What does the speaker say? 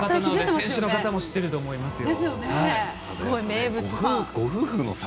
選手の方も知っていると思いますよ。